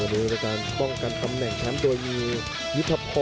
หลังจากชิงตำแหน่งแชมป์ว่างครับ